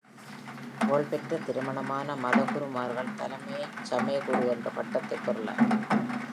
புகழ்பெற்ற திருமணமான மதகுருமார்கள் தலைமைச் சமய குரு என்ற பட்டத்தைப் பெறலாம்.